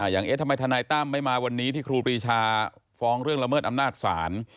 เอ๊ะทำไมทนายตั้มไม่มาวันนี้ที่ครูปรีชาฟ้องเรื่องละเมิดอำนาจศาล